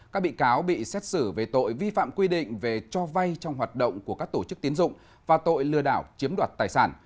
các bị cáo bị xét xử về tội vi phạm quy định về cho vay trong hoạt động của các tổ chức tiến dụng và tội lừa đảo chiếm đoạt tài sản